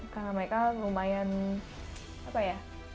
karena mereka lumayan apa ya